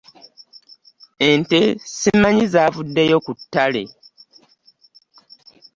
Ente ssimanyi zaavuddeyo ku ttale?